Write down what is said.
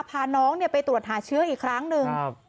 พาน้องไปตรวจหาเชื้ออีกครั้งหนึ่ง